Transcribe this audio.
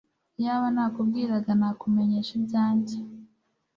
Iyaba nakubwiraga nakumenyesha ibya nge